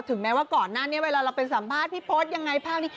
แม้ว่าก่อนหน้านี้เวลาเราไปสัมภาษณ์พี่พศยังไงภาพนี้